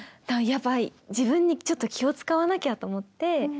やばい自分にちょっと気を遣わなきゃと思って。